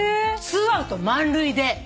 ２アウト満塁で。